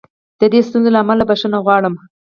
د دې ستونزې له امله بښنه غواړم.